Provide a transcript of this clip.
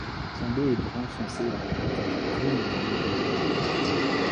Son dos est brun foncé avec des taches brunes et noires irrégulières.